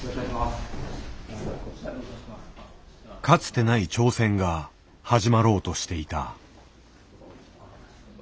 かつてない挑戦が始まろうとしていた。